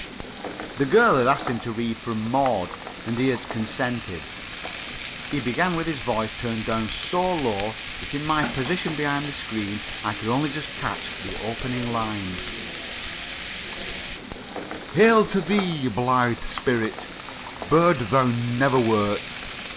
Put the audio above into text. The girl had asked him to read from "Maud" and he had consented. He began with his voice turned down so low that in my position behind the screen I could only just catch the opening lines: "Hail to thee, blithe spirit! Bird thou never wert..."